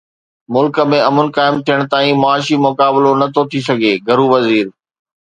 ملڪ ۾ امن قائم ٿيڻ تائين معاشي مقابلو نٿو ٿي سگهي: گهرو وزير